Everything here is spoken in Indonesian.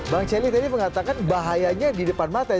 bang celi tadi mengatakan bahayanya di depan mata